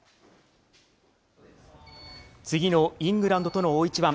次のイングランドとの大一番。